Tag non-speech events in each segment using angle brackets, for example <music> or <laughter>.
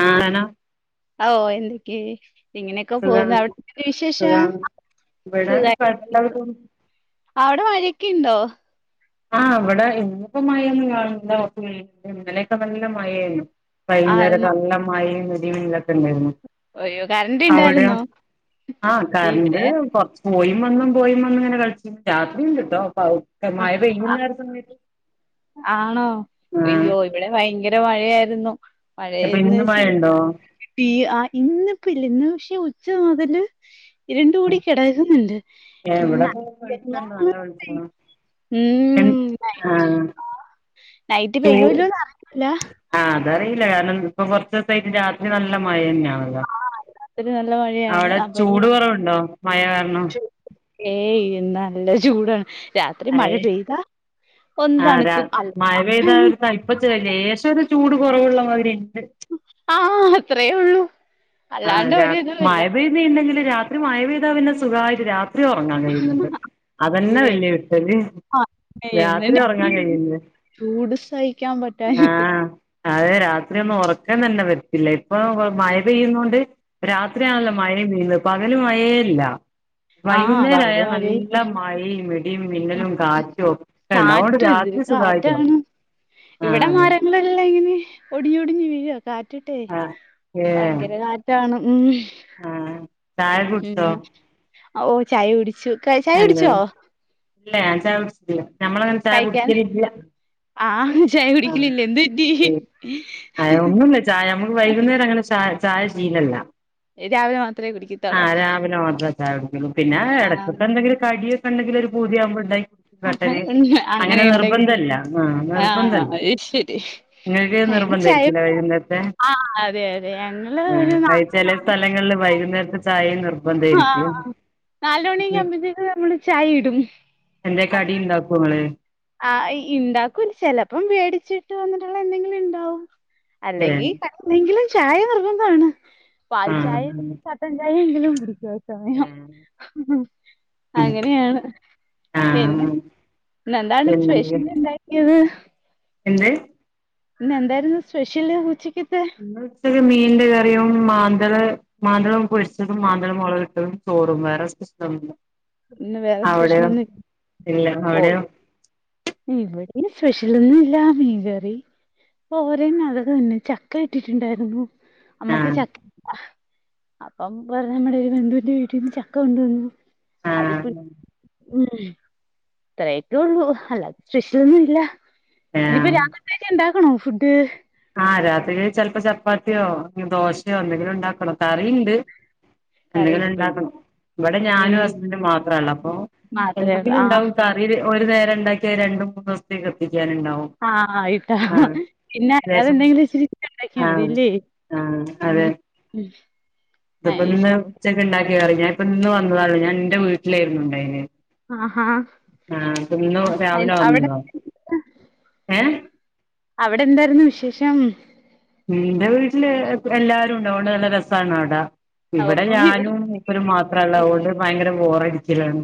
ആ ആണോ ആഹ് ഓഹ് എന്തൊക്കെയ ഇങ്ങനെയൊക്കെ പോകുന്നു സുഖാണ് അവിടെ എന്തുണ്ട് വിശേഷം സുഖാണ് ഇവിടെ സുഖാ കുഴപ്പമില്ലാതെ പോന്നു അവിടെ മഴൊക്കെ ഇണ്ടോ ആഹ് ഇവിടെ ഇന്നിപ്പ മഴൊന്നും കാണുന്നില്ല ഇന്നലെയൊക്കെ നല്ല മഴയേനു ആ വൈകുന്നേരക്കെ ന- നല്ല മഴയും ഇടി മിന്നലൊക്കെ ഇണ്ടായിരുന്നു അയ്യോ കറണ്ട് അവിടെയോ ഉണ്ടായിരുന്നോ ആഹ് കറണ്ട് ഇവിടെ കൊറച്ച് പോയിം വന്നും പോയിം വന്നും ഇങ്ങനെ കളിച്ച് രാത്രിയുണ്ട് ട്ടോ പ്പ ആഹ് മയ വൈകുന്നേര സമയത്ത് ആണോ ആഹ് അയ്യോ ഇവിടെ ഭയങ്കര മഴയായിരുന്നു അപ്പൊ മഴയന്ന് ഇന്ന് വെച്ച മഴയുണ്ടോ പ്പീ ആഹ് ഇന്നിപ്പ ഇല്ല ഇന്ന് പക്ഷെ ഉച്ച മുതല് ഇരുണ്ട് കൂടി കെടക്കുന്നുണ്ട് എവിടെപ്പോ പിന്ന വെളിച്ചണ്ട് നല്ല വെളിച്ചമാണ് ഉം ആഹ് നൈറ്റ് ചൂ പെയ്യൂല്ലോന്ന് അറിഞ്ഞില്ല ആഹ് അത് അറിയില്ല കാരണം ഇപ്പൊ കൊറച്ചോസായിട്ട് രാത്രി നല്ല മഴ തന്നെയാണ് രാത്രി നല്ല മഴയാണ് അവിടെ അപ്പൊ ഇനി ചൂട് കൊറവുണ്ടോ മഴ കാരണം ഏയ് നല്ല ചൂടാണ് രാത്രി മഴ അയ് പെയ്താ ഒന്ന് തണുക്കും അല്ല ഇപ്പൊ ചെ ലേശം ഒരു ചൂട് കൊറവുള്ള മാതിരി ഇണ്ട് ആഹ് അത്രയേ ഉള്ളൂ ആഹ് അല്ലാണ്ട് രാ ഒരിതുമില്ല മഴ പെയ്തിണ്ടെങ്കിൽ രാത്രി മഴ പെയ്താൽ പിന്നെ സുഖമായിട്ട് രാത് ത്രി ഒറങ്ങാൻ കഴിയുന്നുണ്ട് അതന്നെ ഇല്ലേ വല്ല്യ കിട്ടല് ആ രാത്രി എന്തിന്റെ ഒറങ്ങാൻ കഴിയ്ണ്ട് ചൂട് സഹിക്കാൻ പറ്റാഞ്ഞിട്ട് അതെ രാത്രി ഒന്നും ഒറക്കം തന്നെ വരത്തില്ല ഇപ്പൊ മഴ പെയ്യുന്നത് കൊണ്ട് രാത്രിയാണല്ലോ മഴയും പെയ്ത് പകല് മഴയേ ഇല്ല ആ വൈകുന്നേരായ പകല് നല്ല മഴയില്ല മഴയും ഇടിയും ആ മിന്നലും കാറ്റോ ക്കെണ്ടാവും അതുകൊണ്ട് കാറ്റ് എന്തൊരു രാത്രി സുഖായിട്ട് ഒറങ്ങാ കാറ്റാണ് ഇവിടെ മാരങ്ങൾ എല്ല ഇങ്ങനെ ഒടിഞ്ഞൊടിഞ്ഞ് വീഴാ കാറ്റിട്ടേ ആഹ് ഏഹ് ഭയങ്കര കാറ്റാണ് ഉം ആഹ് ചായ ഉം കുടിച്ചോ ഓഹ് ചായ കുടിച്ചു ചായ എന്ത കുടിച്ചോ ഇല്ല ഞാൻ കുടിച്ചില്ല ഞമ്മളങ്ങനെ ചായ കഴിക്കാൻ കുടിക്കലില്ല ആ ചായ ആഹ് കുടിക്കലില്ല എന്ത് പറ്റി അഒന്നുംല്ല ചായ നമുക്ക് വൈകുന്നേരം അങ്ങനെ ചായ ചായ ശീലല്ല രാവിലെ മാത്രമേ കുടിക്കത്തുള്ളൂ ആഹ് രാവിലെ മാത്ര ചായ കുടിക്കോള്ളു പിന്നെ ആ എട ഇതൊക്കെ എന്തെങ്കിലും കടിയൊക്കെ ഉണ്ടെങ്കിൽ ഒരു പുതിയാവുമ്പോ ഉണ്ടായിട്ടെ അങ്ങനെ ഉണ്ടാക്കി കുടി നിർബന്ധംല്ല ആഹ് ആ നിർബന്ധല്ല അത് ശരി നിങ്ങൾക്ക് നിർബന്ധ ചായ ആരിക്കില്ലോ വൈകുന്നേരത്തെ ആ അതെ അതെ ഞങ്ങള് ആഹ് ഒരു അത് ചെലേ നാല് സ്ഥലങ്ങളിൽ വൈകുന്നേരത്തെ ചായയും നിർബന്ധ ആരിക്കും നാലു മണിയൊക്ക ആവുമ്പോത്തേും നമ്മള് ചായ ഇടും എന്തെ കടി ഇണ്ടാക്കോ ഇങ്ങള് ആഹ് ഇ ഇണ്ടാക്കൂ ചെലപ്പം വേടിച്ചിട്ട് വന്നിട്ടുള്ള എന്തെങ്കിലും ഇണ്ടാവും ഏഹ് അല്ലെങ്കി ക എങ്കിലും ചായ നിർബന്ധമാണ് പാൽ ആഹ് ചായ ചട്ടൻ ചായയെങ്കിലും കുടിക്കും സമയം ഏഹ് ഉം അങ്ങനെയാണ് പിന്നെ ആഹ് ഇന്ന് എന്താണ് എന്തെങ്കിലും സ്പെഷ്യല് ഇണ്ടാക്കിയത് എന്ത് ഇന്ന് എന്തായിരുന്നു സ്പെഷ്യല് ഉച്ചക്കത്തെ ഇന്ന് ഉച്ചക്ക് മീന്റെ കറിയും മാന്തള് മാന്തളും പൊരിച്ചതും മാന്തളും മുളകിട്ടതും ചോറും വേറെ സ്പെഷ്യലൊന്നുല്ല ഇന്ന് വേറെ അവിടെയോ സ്പെഷ്യലൊന്നും ഇല്ല അവിടെയോ ഇവിടെ പിന്നെ സ്പെഷ്യലൊന്നുല്ല മീൻ കറി പോരൻ അതൊക്കെ തന്നെ ചക്ക ഇട്ടിട്ടുണ്ടായിരുന്നു നമ്മക്ക് ആഹ് ചക്ക അപ്പം പറ നമ്മുടെ ഒരു ബന്ധുവിന്റെ വീട്ടിന്ന് ചക്ക കൊണ്ടുവന്നു അത് ആഹ് ഇപ്പം ഇത്രയൊക്കെ ഉള്ളൂ അല്ലാതെ സ്പെഷ്യലൊന്നുല്ല ഇനിപ്പോ ആഹ് രാത്രിത്തേക്ക് ഇണ്ടാക്കണോ ഫുഡ് ആഹ് രാത്രി ചെല്പ്പോ ചപ്പാത്തിയോ ദോശയോ എന്തെങ്കിലും ഉണ്ടാക്കണം കറിണ്ട് കറി എന്തെങ്കിലും ഇരിപ്പുണ്ട് ഉണ്ടാക്കണം ഇവിടെ ഞാനും ഉം ഹസ്ബൻഡും മാത്രുള്ളു അപ്പൊ മാത്രേ ഉള്ളൂ എന്തെങ്കിലും ആ ഉണ്ടാവും ഒരു നേരം ഇണ്ടാക്കിയ രണ്ട് മൂന്ന് ദിവസത്തേക്ക് എത്തിക്കാനുണ്ടാവും ആഹ് ആയിട്ടാ ആഹ് പിന്നെ അതല്ലാതെ ലേശം എന്തെങ്കിലും ഇത്തിരി കൂടി ഉണ്ടാക്കിയാ ആഹ് മതില്ലേ ആഹ് അതെ ഉം ഇതിപ്പോ ഇന്ന് അയ്ശരി ഉച്ചക്ക് ഇണ്ടാക്കിയ കഴി ഞാൻ ഇപ്പ ഇന്ന് വന്നതൊള്ളു ഞാൻ ഇന്റെ വീട്ടിലായിരുന്നു ഉണ്ടായിനേ ആഹാ ആഹ് അപ്പ ഇന്ന് ആ, രാവിലെ അയ്- അവിടെ ആകുമ്പോള ഏഹ അവിടെ എന്തായിരുന്നു വിശേഷം ഇന്റെ വീട്ടില് എല്ലാരുണ്ട് അതോണ്ട് നല്ല രസാണ് അവിടെ ഇവിടെ ഞാനും മൂപ്പര് മാത്രള്ള അതുകൊണ്ട് ഭയങ്കര ബോറടിച്ചലാണ്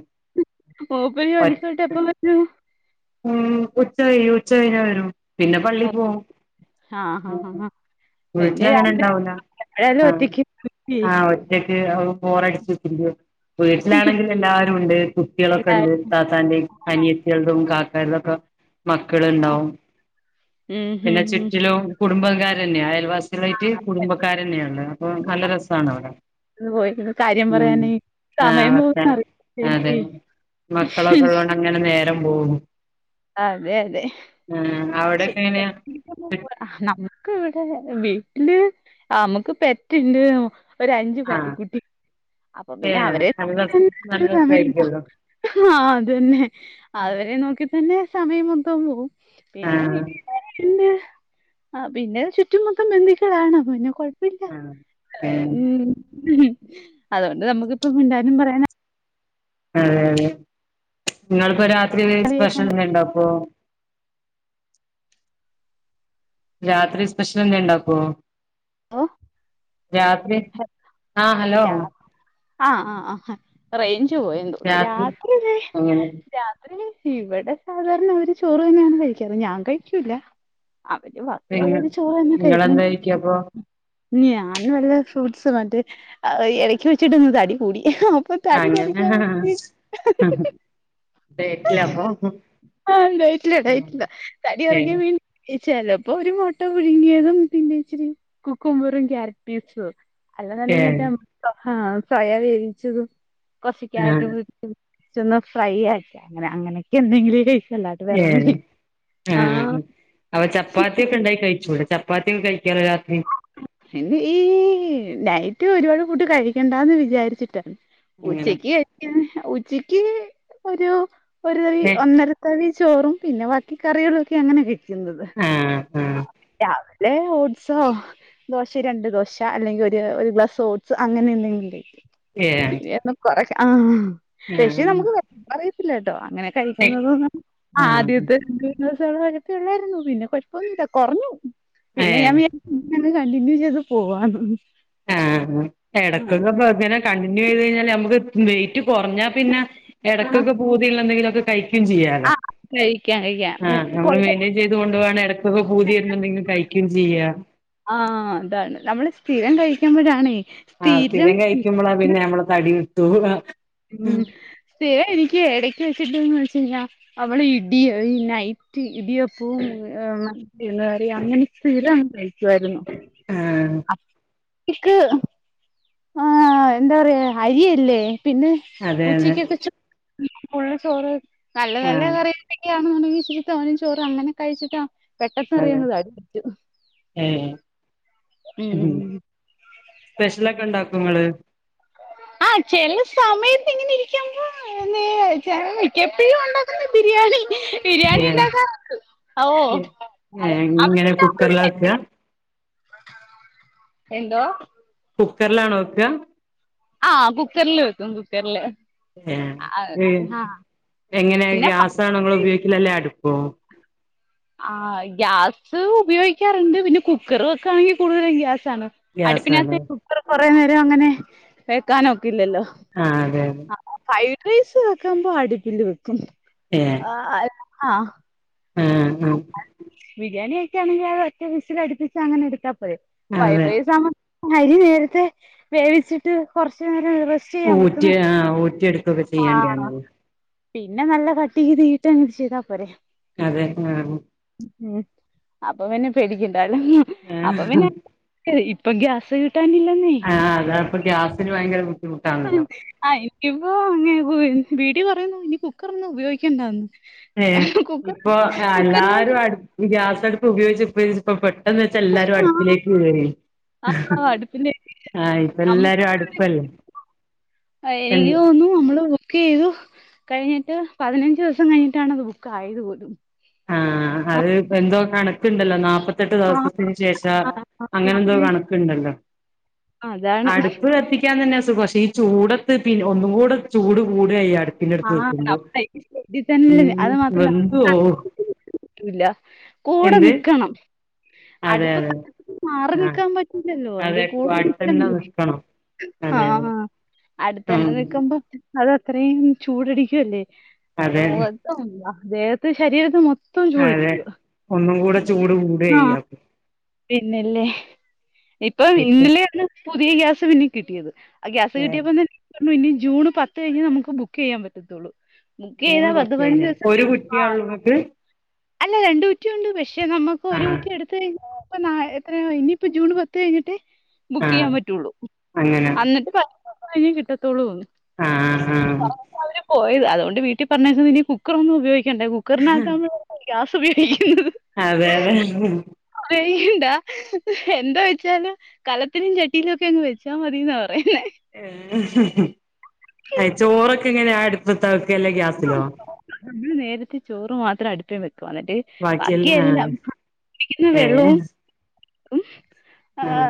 മൂപ്പര് പള്ളിക്ക് പോയിട്ട് എപ്പം വരും ഉം ഉച്ചകഴിയും ഉച്ച കഴഞ്ഞാ വരും പിന്നെ പള്ളി ഓ പോവും ആ ആ ആ ഉം ആ. ഉം പിന്നെ വീട്ടില് രാത്രി അങ്ങനെണ്ടാവുല എപ്പോഴായാലും ആഹ ഒറ്റയ്ക്ക് പോയി. ആഹ ഒറ്റക്ക് ബോറടിച്ച് കുത്തിരിക്കും വീട്ടിലാണെങ്കിൽ എല്ലാവാരുണ്ട് കുട്ടികളൊക്കെണ്ട് എല്ലാരും ഉപ്പാന്റെ അനിയത്തിയേൽതും കാക്കാന്റൊക്കെ മക്കളുണ്ടാവും ഉം ഉം പിന്നെ ഉം ചുറ്റിലും കുടുംബകാരന്നെ അയൽവാസി കളായിട്ട് കുടുംബക്കാരന്നെയുള്ളേ അപ്പൊ നല്ല രസാണ് അവിടെ പെട്ടെന്ന് പോയിരുന്നു കാര്യം ഉം പറയാനേ ആഹ സമയം അതെ പോകുന്ന അതെ അറിയില്ലല്ലേ മക്കളൊക്കെ ഉള്ളോണ്ട് അങ്ങനെ നേരം പോകും അഹ അതെ അതെ ആഹ അത് അവിടൊക്കെ ശരി എങ്ങനെയാ നമുക്ക് ഇവിടെ വീട്ടില് നമ്മുക്ക് പെറ്റിണ്ട് ഒര് അഞ്ച് പട്ടി ആഹ് കുട്ടി അപ്പൊ പിന്നെ ഏഹ് അവരെ നല്ല രസ നല്ല സമയം രസായിരിക്കുവല്ലോ ആഹ അത് തന്നെ അവരെ നോക്കി തന്നെ സമയം മൊത്തം പോവും പിന്നെ വീ ആഹ് ഇല്ല ആഹ പിന്നെ ചുറ്റുമൊത്തം ബന്ധുക്കളാണ് പിന്നെ കൊ ആഹ് ഏഹ് അതൊണ്ട് നമക്കിപ്പോ മിണ്ടാനും പറയാ അതെ അതെ നിങ്ങളിപ്പോ രാത്രില് സ്പെഷ്യൽ എന്തേ ഉണ്ടാക്കോ രാത്രി സ്പെഷ്യൽ എന്തേ ഉണ്ടാക്കോ ഓഹ് രാത്രി ആഹ് ഹലോ രാ ആഹ് ആഹ് ആഹ് റേഞ്ച് പോയന്ന് തോന്നുന്നു രാത്രി ഇത് അങ്ങനെ രാത്രി ഇവിടെ സാധാരണ അവര് ചോറ് തന്നെയാണ് കഴിക്കാറ് ഞാൻ കഴിക്കൂല അവര് പിന്നെ ബക്കിയുള്ളൊര് ചോറ് തന്നെ കഴിക്ക്ണത് നിങ്ങളെന്താ കഴിക്കാ അപ്പൊ ഞാൻ വല്ല ഫ്രൂട്ട്സ് മറ്റേ എലക്കി വെച്ചിട്ട് ഒന്ന് തടി കൂടി അപ്പൊ തടി അങ്ങനെ കൊറക്കാൻ വേണ്ടി- ഡേറ്റില അപ്പൊ ആ ഡയറ്റില ഡയറ്റില തടി ഏഹ് കൊറക്കാൻ വേണ്ടി- ഈ ചെലപ്പോ ഒരു മുട്ട പുഴുങ്ങിയതും പിന്നെ ഇച്ചിരി കുക്കുംമ്പറും ക്യാരറ്റ് <unintelligible> അല്ലെന്നുണ്ടെങ്കിൽ ഏഹ് മറ്റേ ആഹ് സോയ വേവിച്ചതും കൊറച്ച് ആഹ് ക്യാരറ്റുപീ റ്റ് ഒന്നു ഫ്രൈ ആക്കി അങ്ങനെ അങ്ങനെയൊക്കെ എന്തെങ്കിലെ കഴിക്കു ഏഹ് ആഹ് അപ്പം ചപ്പാത്തിയൊക്കെ ഉണ്ടാക്കി കഴിച്ചൂടെ ച ചപ്പാത്തിക്കെ കഴിക്കാലോ രാത്രി. പിന്നെ ഈ നൈറ്റ് ഒരുപാട് ഫുഡ് കഴിക്കണ്ടാന്ന് വിചാരിച്ചിട്ടാ. അങ്ങനെ ഉച്ചയ്ക്ക് കഴിക്ക്ണ് ഉച്ചയ്ക്ക് ഒരു ഒരു തവി ഏഹ് ഒന്നര- തവി ചോറും പിന്നെ ബാക്കി കറികളുക്കെ അങ്ങനെ കഴിക്കുന്നത് ആഹ് ആഹ് രാവി ലേ <unintelligible> ഓടി സോ ദോശ രണ്ട് ദോശ അല്ലെങ്കിൽ ഒരു ഒരു ഗ്ലാസ് ഓട്സ് അങ്ങനെ എന്തെങ്കില്. ഏഹ് പിന്നെ ഒന്നും കൊറക്ക ആഹ് പക്ഷെ ആഹ് നമുക്ക് അറിയത്തില്ല കേട്ടോ അങ്ങനെ ഏഹ് കഴിക്കുന്നത് പറഞ് ആദ്യ ആഹ് <unintelligible> ത്തെത് ദിവസെ ഉള്ളെ വഴക്കെ ഉള്ളായിരുന്നു പിന്നെ കൊഴപ്പൊന്നുല്ല കൊറഞ്ഞു പിന്നെ ഞാൻ ഏഹ് വിചാ ഇങ്ങനെ കണ്ടിന്യൂ ചെയ്ത് പോവാറുള്ളൂ ആഹ് എടക്കൊക്കെ ഇപ്പ ഇങ്ങനെ കണ്ടിന്യൂ ചെയ്ത് കഴിഞ്ഞാലെ നമ്മുക്ക് വെയയിറ്റ് കൊറഞ്ഞാ പിന്നെ ആ എടക്കൊക്കെ പൂതിയുള്ള എന്തെങ്കിലും ഒക്കെ കഴിക്കയും ചെയ്യാലോ ആ കഴിക്കാം കഴിക്കാം ഉം ആഹ് നമ്മള് കൊഴപ്പ മെയിൻ ചെയ്ത് കൊണ്ട് പോകണങ്കിൽ എടക്കൊക്കെ പൂതിവരുമ്പോ എന്തെങ്കിലും കഴിക്കും ചെയ്യാ. ആഹ് അതാണ് നമ്മള് സ്ഥിരം കഴിക്കുമ്പഴാണേ ആഹ് സ്ഥിരം കഴിക്കുമ്പോളാ പിന്നെ നമ്മള് തടി വച്ചു പോകും ഉം പി <unintelligible> ന്നെ എനിക്കേ ഇടക്ക് വെച്ചിട്ടൊന്ന് വച്ച കഴിഞ്ഞാ അവള് ഇടിയായി ഈ നൈറ്റ് റ്റ് ഇടിയപ്പവും <unintelligible> കറി അങ്ങനെ സ്ഥിരം അങ്ങ് കഴിക്കുവായിരുന്നു. ആഹ് ഇക്ക് ഏഹ് എന്താ പറയാ അരിയല്ലേ പിന്നെ അതെ അതെ ഉച്ചക്കക്കെ ഫുള്ള് ചോറ് നല്ല നല്ല ആഹ് കറിയൊക്കെയാണകി അല്ലാന്ന് ഉണ്ടെങ്കി ഇച്ചിരി തോനെ ചോറ് അങ്ങനെ കഴിച്ചിട്ട് പെട്ടെന്ന് അതെ അറിയുന്നത് <unintelligible> ഏഹ് ഹും ഉം സ്പെഷ്യലൊക്കെ ഉണ്ടാക്കോ നിങ്ങള്. ആഹ് ചെല സമയത്ത് ഇങ്ങനെ ഇരിക്കുമ്പോ മിക്കപ്പഴും ഉണ്ടാക്കുന്ന ബിരിയാണി ബിരിയാണി ഏഹ് ഉണ്ടാക്കാം നമുക്ക് ഓഹ് ഏഹ് ഏഹ് അവിടെ ഇങ്ങനെ ഉണ്ടാക്കൂല. കുക്കറിലാ വെക്കാ എന്തോ കുക്കറിലാണോ വെക്ക്‌ക ആഹ് കുക്കറില് വെക്കും കുക്കറില്. ഏഹ് ആ ഏഹ് എങ്ങനെ പിന്നെ ഗ്യാസാണോ നിങ്ങൾ ഉപയോഗിക്കല് അല്ലെ അടുപ്പോ. ആഹ് ഗ്യാസ് ഉപയോഗിക്കാറ്ണ്ട് പിന്നെ കുക്കറ് വെക്കാണെങ്കിൽ കൂടുതലും ഗ്യാസാണ്. ഗ്യാസാണ് അടുപ്പിനകത്ത് കുക്കറ് കൊറെ നേരം അങ്ങനെ വെക്കാനൊക്കില്ലല്ലോ. ആഹ് അതെ അതെ ആഹ് ഫ്രൈഡ് റൈസ് വെക്കുമ്പോ അടിപ്പില് വെക്കും. ഏഹ് ആഹ് അത് ആഹ്. ഉം ഉം. ബിരിയാണി ഒക്കൊണെങ്കിൽ അത് ഒറ്റ വിസിൽ അടുപ്പിച്ച് അങ്ങനെ എടുത്താ പോരെ ആഹ് ഫ്രൈഡ് അതെ റൈസാവുമ്പോ അരി നേരത്തെ വേവിച്ചിട്ട് കൊറച്ച് നേരം റസ്റ്റ് ഊറ്റി ആഹ് ഊറ്റിയെടുക്കൊക്കെ ആഹ് ചെയ്യേണ്ടിയാണല്ലോ. പിന്നെ നല്ല കട്ടീത് തിയിട്ട് അങ്ങട്ട് ചെയ്താ പോരെ. അതെ ആഹ് ഉം അപ്പ പിന്നെ പേടിക്കണ്ടാലോ ഉം ആഹ് അപ്പ പിന്നെ ശരി ഇപ്പം ഗ്യാസ് കിട്ടാനില്ലെന്നേ ആഹ് അതാണ് ഇപ്പൊ ഗ്യാസിന് ഭയങ്കര ബു ഉം ആ എനിക്കിപ്പോ <unintelligible> വീട്ടില് പറയുന്നു ഇനി കുക്കറന്നും ഉപയോഗിക്കേണ്ടാന്ന്. ഏഹ് ഇപ്പൊ കുക്കറിനോട് എല്ലാരും അടു ഗ്യാസ്ടുപ്പ് ഉപയോഗിച്ച് ഉപയോഗിച്ച് ഇപ്പ പെട്ടെന്ന് എല്ലാരും ആഹ് അടുപ്പിലേക്ക് കേറി ആഹ് അടുപ്പിന്റെ ആഹ് ഇപ്പ എല്ലാരും നമുക്ക് അടുപ്പല്ലേ എൻ എനിക്ക് തോന്നുന്നു നമ്മള് ബുക്കിതു കഴിഞ്ഞിട്ട് പതിനഞ്ചൂസം കഴിഞ്ഞിട്ടാണത് ബുക്ക് ആയത് പോലും ആഹ് അത് എന്തോ കണക്കുണ്ടല്ലോ നാപ്പ പതിനെട്ട് ആഹ് ദിവസത്തിന് ശേഷ ആഹ് അതെ. അങ്ങനെ എന്തോ പിന്നെ കണക്കുണ്ടല്ലോ അതാണ് അടുപ്പ് കത്തിക്കാൻ തന്നെ സുഖം പക്ഷേ ഈ ചൂടത്ത് പിന്നെ ഒന്നും കൂടെ ചൂട് കൂടാചെയ്യ അട് ആഹ് ടപ്പേ ഈ ഷെഡിൽ തന്നെല്ലേ ഉം അത് മാത്രല്ല വെന്തു പോവും <inaudible> ഇല്ല കൂടെ എന്ത് നിക്കണം അതെ അടുപ്പ് അതെ കത്തിച്ചിട്ട് മാറി ആഹ് നിക്കാൻ പറ്റൂല്ലല്ലോ അതിന്റെ അതെ കൂടെ അടുത്തന്നെ നിക്കണ്ടേ നിക്കണം അതെ അതെ ആഹ് അടുത്തന്നെ ഉം നിക്കുമ്പോ അതത്രേം ചൂടടിക്കുല്ലേ നമ്മുടെ അതെ മുഖത്തും ദേഹത്ത് ശരീരത്ത് മൊ ത്തം അതെ ചൂടടിക്കുവാ ഒന്നും കൂടെ ചൂട് കൂടുവേ ഉം ആഹ് അപ്പൊ പിന്നെല്ലേ ഇപ്പം ഇന്നലെയാണ് പുതിയ ഗ്യാസ് പിന്നെ കിട്ടിയത് ഗ്യാസ് ഏഹ് കിട്ടിയപ്പതന്നെ പറഞ്ഞു ഇനി ജൂൺ പത്ത് കഴിഞ്ഞ് നമുക്ക് ബുക്ക് ചെയ്യാൻ പറ്റത്തൊള്ളൂ ബുക്കീതാ മൂന്ന് പത്ത് കഴിഞ്ഞ് പതിനഞ്ചൂസം ഒരു കഴിഞ്ഞ് ആ കുറ്റിയാള്ളൂ ഇങ്ങക്ക് അല്ല രണ്ട് കുറ്റിയുണ്ട് പക്ഷെ നമുക്ക് ഒരു ആഹ് കുറ്റി ഇടുത്ത് കഴിഞ്ഞാ പ്പ നാ എത്ര ഇനിപ്പൊ ജൂൺ പത്ത് കഴിഞ്ഞിട്ടെ ബുക്കിയ്യാൻ ആഹ് പറ്റുള്ളൂ അങ്ങനെ എന്നിട്ട് പത്തുസം കഴിഞ്ഞ് കിട്ടത്തൊള്ളൂന്ന് ആഹ് ആഹ് പോയത് അതുകൊണ്ട് വീട്ടിൽ പറഞ്ഞേക്കുന്നത് ഇനി കുക്കറൊന്നും ഉപയോഗിക്കേണ്ടേ കുക്കറിനകത്താവുമ്പോളല്ലേ ഗ്യാസ് ഉപയോഗിക്കുന്നത് അതെ അതെ ഡാ എന്താചോയിചാല് കലത്തിലും ചട്ടിയിലും ഒക്കെ അങ്ങ് വെച്ചാൽ മതി എന്നാ പറയുന്നെ ചോറൊക്കെ എങ്ങനെ അടുപ്പതാവെക്കല് അല്ല ഗ്യാസ് ആഹ് ചോറ് നമ്മള് നേരത്തെ ചോറ് മാത്ര അടുപ്പേ വെക്കും എന്നിട്ട് ബാക്കിയെല്ലാം കുടിന്ന ആഹ് ഏഹ് വെള്ളവും റും ആഹ്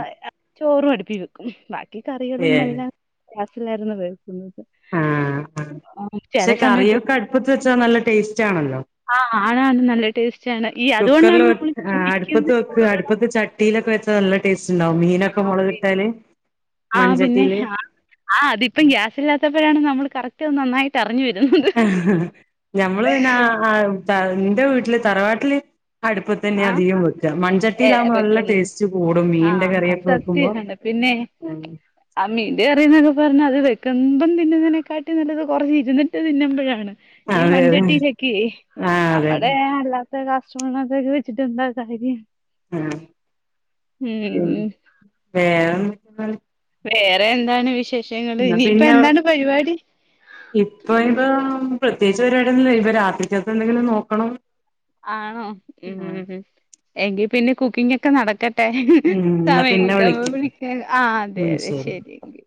ചോറും അടുപ്പിൽ വെക്കും ബാക്കി കറികളും ഏഹ് എല്ലാം ഗ്യാസിലായിരുന്നു വെക്കുന്നത് ആഹ് ആഹ് ആ, ചില പക്ഷെ സമയത്ത് കറിയൊക്കെ അടുപ്പത്ത് വെച്ചാൽ നല്ല ടേസ്റ്റ് ആണല്ലോ ആഹ് ആണ് ആണ് നല്ല ടേസ്റ്റാണ് ഈ അതുകൊണ്ടാണ് നമ്മള് കുടിക്കുന്ന ക്ക് ചൂടുവെള്ളം അടുപ്പത്ത് ചട്ടിലൊക്കെ വെച്ച നല്ല ടേസ്റ്റ് ഇണ്ടാവും മീനൊ ക്കെ ആ പിന്നെ മൊളകിട്ടാല് മൺചട്ടില് ആഹ് അതിപ്പം ഗ്യാസ് ഇല്ലാത്തപ്പോഴാണ് നമ്മൾ കറക്റ്റ് അത് നന്നായിട്ട് അറിഞ്ഞു വരുന്നത് ഞമ്മള് പിന്നെ ആ ആ ഇന്റെ വീട്ടില് തറവാട്ടില് അടുപ്പതന്നെ ആ അധികം വെക്ക മൺ ഏ ചട്ടിലാവുമ്പോൾ നല്ല വെക്കുന്നത് ടേസ്റ്റ് കൂടും ആ മീന്റെ കറിയൊക്കെ വെക്കുമ്പോൾ ഉം ആഹ് മീന്റെ കറിന്നൊക്കെ പറഞ്ഞ അത് വെക്കുമ്പം തിന്നുന്നതിനെക്കാട്ടി നല്ലത് കൊറച്ച് ഇരുന്നിട്ട് തിന്നുമ്പോഴാണ് ഈ അതെ അതെ മൺചട്ടിലൊക്കെ ആഹ് അതെ നമ്മടെ നല്ല മറ്റേ ഗ്യാസുമ്മന്നെത്തേക്കൊക്കെ വെച്ചിട്ട് എന്താ കാര്യം ആഹ് ഉം വേറെന്തൊക്കെയാണ് വേറെ എന്താണ് വിശേഷങ്ങള് എന്നാ ഇനിയിപ്പെ പിന്നെ എന്താണ് പരിപാടി ഇപ്പൊ ഇപ്പം പ്രത്യേകിച്ച് പരിപാടി ഒന്നും ഇല്ല ഇപ്പം രാത്രിക്കത്തേ എന്തെങ്കിലും നോക്കണം ആണോ ഉം എങ്കിൽ പിന്നെ കുക്കിംഗ് ഒക്കെ നടക്ക ട്ടെ ഉം എന്നാ സമയം പിന്നെ കിട്ടമ്പോ വിളിക്കാം വിളിക്ക ആഹ് അതെ ഉം അതെ ശരി. ശരിയെങ്കി